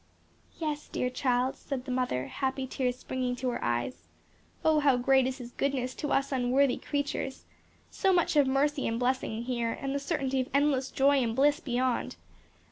"Yes, dear child," said the mother, happy tears springing to her eyes, "Oh, how great is His goodness to us unworthy creatures! so much of mercy and blessing here and the certainty of endless joy and bliss beyond!